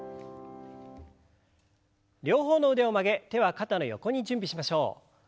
両方の腕を曲げ手は肩の横に準備しましょう。